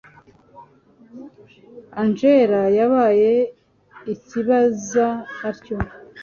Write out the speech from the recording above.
angella yabaye acyibaza atyo